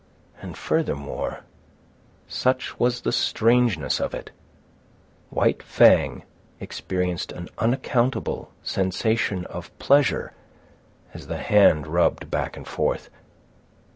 And furthermore, such was the strangeness of it, White Fang experienced an unaccountable sensation of pleasure as the hand rubbed back and forth.